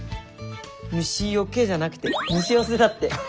「虫よけ」じゃなくて「虫よせ」だって。